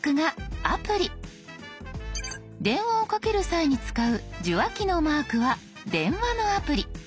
電話をかける際に使う受話器のマークは電話のアプリ。